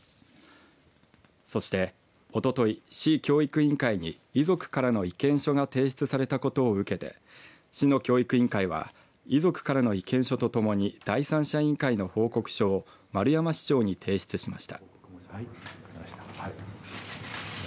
そして、おととい市教育委員会に遺族からの意見書が提出されたことを受けて市の教育委員会は遺族からの意見書とともに第三者委員会の報告書を丸山市長に提出しました。